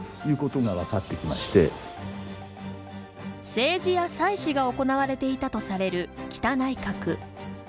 政治や祭しが行われていたとされる北内郭。